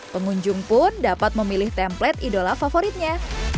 pengunjung pun dapat memilih templet idola favoritnya